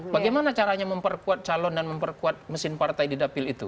bagaimana caranya memperkuat calon dan memperkuat mesin partai